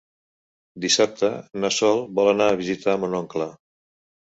Dissabte na Sol vol anar a visitar mon oncle.